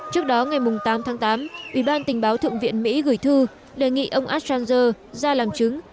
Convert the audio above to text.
trước đó ngày tám tháng tám ủy ban tình báo thượng viện mỹ gửi thư đề nghị ông assanger ra làm chứng